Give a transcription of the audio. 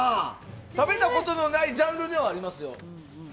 食べたことのないジャンルではありますよ。